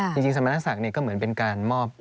จริงสรรพนักศักดิ์ก็เหมือนเป็นการ